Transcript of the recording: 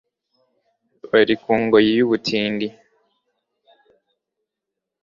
bari ku ngoyi y'ubutindi